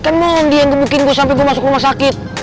kan moni yang ngebukin gue sampe gue masuk rumah sakit